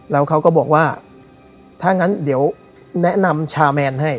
แล้วเขาก็บอกว่าถ้างั้นเดี๋ยวแนะนำชาแมนให้